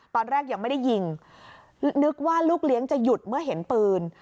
ตอนแรกยังไม่ได้ยิงนึกว่าลูกเลี้ยงจะหยุดเมื่อเห็นปืน